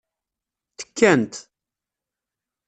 Tekkant.